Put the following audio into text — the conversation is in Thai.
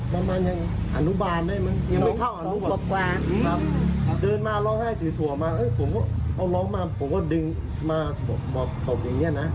เตือนมาร้องไห้ถือถั่วมาเอาร้องมาผมก็ดึงมาบอกอย่างเงี้ยนะ